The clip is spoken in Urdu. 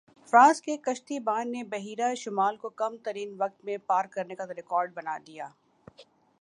فرانس کے کشتی بان نے بحیرہ شمال کو کم ترین وقت میں پار کرنے کا ریکارڈ بنا دیا